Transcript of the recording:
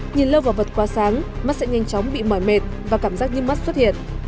nhìn lâu vào vật qua sáng mắt sẽ nhanh chóng bị mỏi mệt và cảm giác như mắt xuất hiện